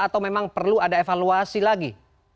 atau memang perlu ada evaluasi lagi